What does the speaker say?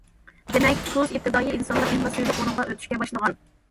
دېمەك، تۇز ئىپتىدائىي ئىنسانلار ئېڭىدا سىرلىق ئورۇنغا ئۆتۈشكە باشلىغان.